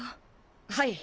⁉はい。